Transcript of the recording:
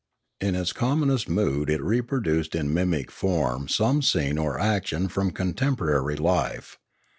In its commonest mood it reproduced in mimic form some scene or action from contemporary life.